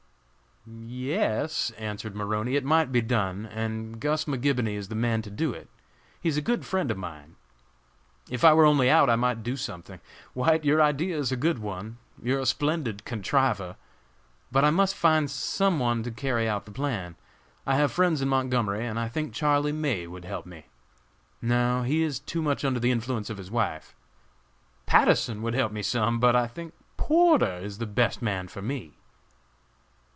"Yes," answered Maroney, "it might be done, and Gus McGibony is the man to do it. He is a good friend of mine. If I were only out, I might do something. White, your idea is a good one, you are a splendid contriver; but I must find some one to carry out the plan. I have friends in Montgomery, and I think Charlie May would help me. No, he is too much under the influence of his wife! Patterson would help me some; but I think Porter is the best man for me!"